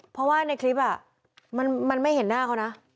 เพราะว่าในคลิปมันไม่เห็นหน้าเขานะ